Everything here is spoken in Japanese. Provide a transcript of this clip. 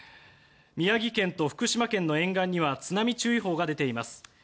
宮城県と福島県の沿岸には津波注意報が出ています。